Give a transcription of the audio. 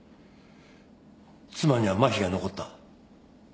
妻にはまひが残った。